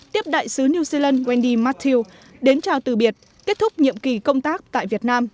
tiếp đại sứ new zealand wendy mathiu đến chào từ biệt kết thúc nhiệm kỳ công tác tại việt nam